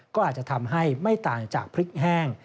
ก็อาจจะทำให้ไม่ต่างจากพริกแห้ง